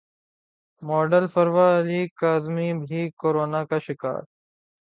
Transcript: model Farwa Ali Kazmi بھی corona کا شکار